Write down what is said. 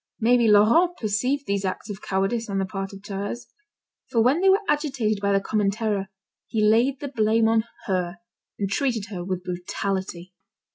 Maybe Laurent perceived these acts of cowardice on the part of Thérèse, for when they were agitated by the common terror, he laid the blame on her, and treated her with brutality.